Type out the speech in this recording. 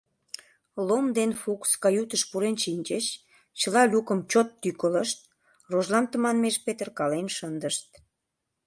Лом ден Фукс каютыш пурен шинчыч, чыла люкым чот тӱкылышт, рожлам тыманмеш петыркален шындышт.